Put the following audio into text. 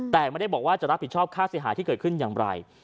แต่ไม่ได้บอกว่าจะรับผิดชอบค่าเสียหายที่เกิดขึ้นอย่างไร